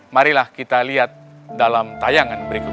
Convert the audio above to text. marilah kita lihat dalam tayangan berikutnya